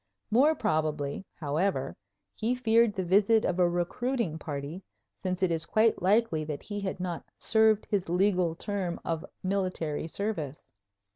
More probably, however, he feared the visit of a recruiting party, since it is quite likely that he had not served his legal term of military service.